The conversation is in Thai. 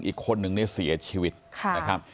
อีกคนหนึ่งได้เสียชีวิตค่ะนะครับ